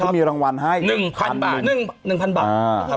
มีรางวัลให้หนึ่งพันบาทหนึ่งหนึ่งพันบาทอ่า